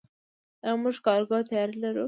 آیا موږ کارګو طیارې لرو؟